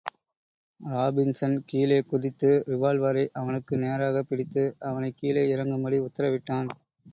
Robinson கீழே குதித்து, ரிவால்வரை அவனுக்கு நேராகப் பிடித்து, அவனைக் கீழே இறங்கும்படி உத்தரவிட்டான்.